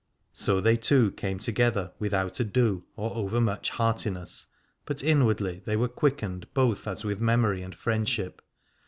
So they two came together without ado or overmuch heartiness, but inwardly they were quickened both, as with memory and friendship.